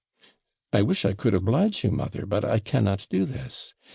'I wish I could oblige you, mother; but I cannot do this.